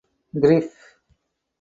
Gref.